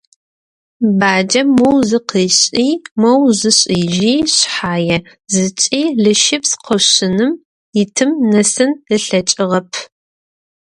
Баджэм моу зыкъишӀи, моу зишӀыжьи шъхьае, зыкӀи лыщыпс къошыным итым нэсын ылъэкӀыгъэп.